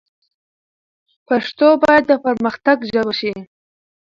پښتو باید د پرمختګ ژبه شي.